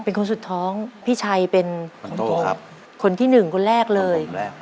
เป็นคนสุดท้องพี่ชัยเป็นคนที่หนึ่งคนแรกเลย